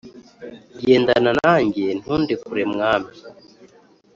Gendana nanjye ntundekure mwami